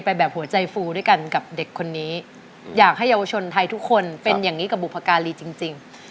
แบบหัวใจฟูด้วยกันกับเด็กคนนี้อยากให้เยาวชนไทยทุกคนเป็นอย่างนี้กับบุพการีจริง